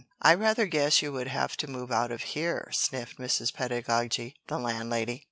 "I rather guess you would have to move out of here," sniffed Mrs. Pedagogy the Landlady.